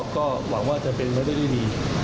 ก็หวังว่าจะเป็นเมื่อที่ได้มี